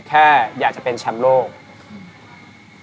ความปักทงไว้เลยว่าจะเป็นแชมป์โลกเลยเหรอใช่ครับ